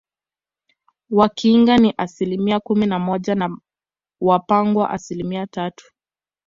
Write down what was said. Wakinga ni asilimia kumi na moja na Wapangwa asilimia tatu